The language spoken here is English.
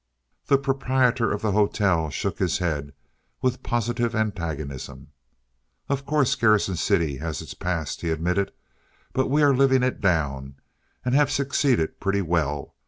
The proprietor of the hotel shook his head with positive antagonism. "Of course, Garrison City has its past," he admitted, "but we are living it down, and have succeeded pretty well.